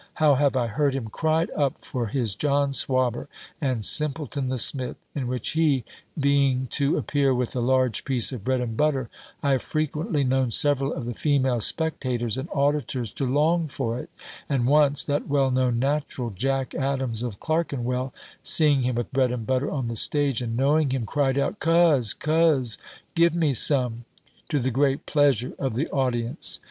How have I heard him cried up for his John Swabber, and Simpleton the Smith; in which he being to appear with a large piece of bread and butter, I have frequently known several of the female spectators and auditors to long for it; and once that well known natural, Jack Adams of Clerkenwell, seeing him with bread and butter on the stage, and knowing him, cried out, 'Cuz! Cuz! give me some!' to the great pleasure of the audience.